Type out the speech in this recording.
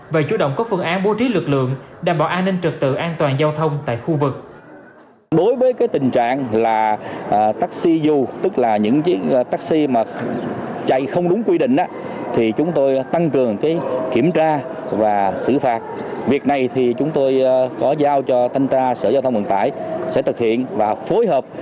và chủ động có phương án bố trí lực lượng đảm bảo an ninh trực tự an toàn giao thông tại khu vực